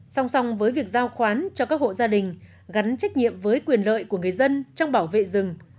song song với việc giao khoán cho các hộ gia đình gắn trách nhiệm với quyền lợi của người dân trong bảo vệ rừng